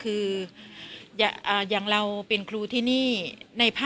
กินโทษส่องแล้วอย่างนี้ก็ได้